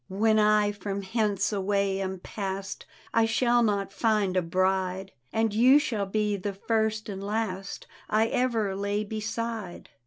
" When I from hence away am past I shall not find a bHde, And you shall be the first and last I ever lay beside."